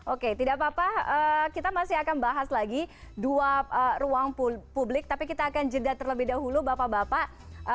oke tidak apa apa kita masih akan bahas lagi dua ruang publik tapi kita akan jeda terlebih dahulu bapak bapak